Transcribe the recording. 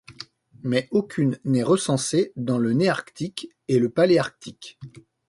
Mais aucune n'est recensée dans le néarctique et le paléarctique.